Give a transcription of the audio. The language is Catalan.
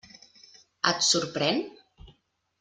Et sorprèn?